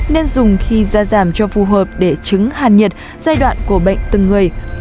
nên dùng khi ra giảm cho phù hợp để chứng hàn nhiệt giai đoạn của bệnh từng người